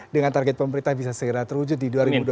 dengan target pemerintah bisa segera terwujud di dua ribu dua puluh